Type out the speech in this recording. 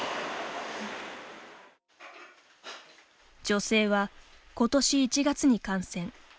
女性は、ことし１月に感染。